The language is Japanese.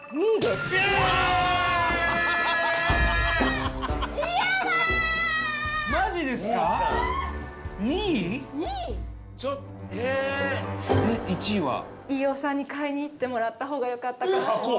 鈴木さん：飯尾さんに買いに行ってもらった方がよかったかもしれない。